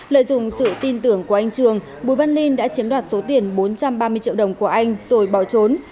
lợi dụng sự tin tưởng của anh trường bùi văn ninh đã chiếm đoạt số tiền bốn trăm ba mươi triệu đồng của anh rồi bỏ trốn